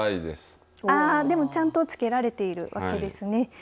でも、ちゃんとつけられているわけですね。